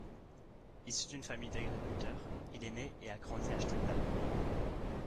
Issu d'une famille d'agriculteurs, il est né et a grandi à Stendal.